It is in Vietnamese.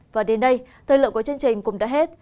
và đến đây thời lượng của chương trình cũng đã hết